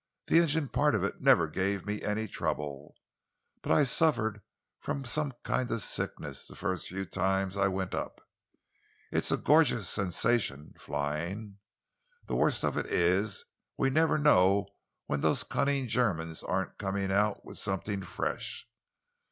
The engine part of it never gave me any trouble, but I suffered from a kind of sickness the first few times I went up. It's a gorgeous sensation, flying. The worst of it is we never know when those cunning Germans aren't coming out with something fresh.